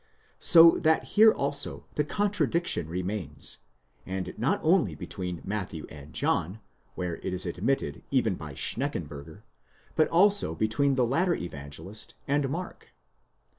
So that here also the con tradiction remains, and not only between Matthew and John, where it is admitted even by Schneckenburger, but also between the latter Evangelist and Mark.